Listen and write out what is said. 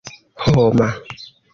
homa